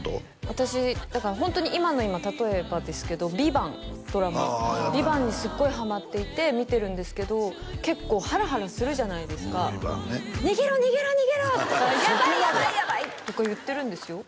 私だからホントに今の今例えばですけど「ＶＩＶＡＮＴ」ドラマ「ＶＩＶＡＮＴ」にすごいハマっていて見てるんですけど結構ハラハラするじゃないですかうん「ＶＩＶＡＮＴ」ね「逃げろ逃げろ逃げろ！」とか「やばいやばいやばい！」とか言ってるんですよ